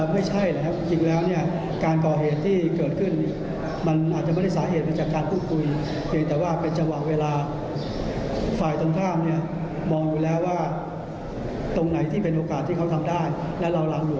ผู้บัญชาการฐานบกยังกล่าวว่า